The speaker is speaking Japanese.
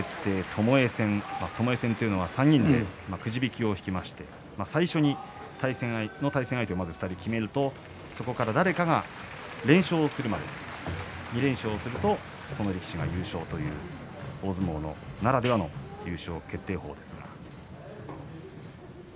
ともえ戦３人でくじ引きを引きまして最初の対戦相手を２人決めるとそこから誰かが連勝するまで２連勝するとその力士が優勝するという大相撲ならではの優勝決定方です。